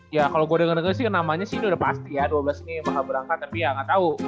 ya kalau gue denger denger sih namanya sih udah pasti ya dua belas ini yang bakal berangkat tapi ya gak tau